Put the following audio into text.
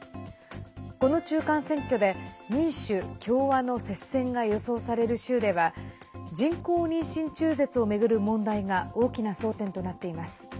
この中間選挙で民主・共和の接戦が予想される州では人工妊娠中絶を巡る問題が大きな争点となっています。